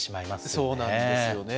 そうなんですよね。